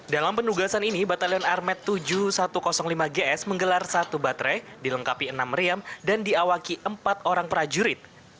dalam penugasan ini batalion armet tujuh ribu satu ratus lima gs menggelar satu baterai dilengkapi enam meriam dan diawaki empat orang prajurit